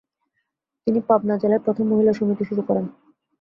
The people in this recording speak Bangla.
তিনি পাবনা জেলায় প্রথম মহিলা সমিতি শুরু করেন।